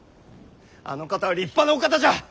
あの方は立派なお方じゃ！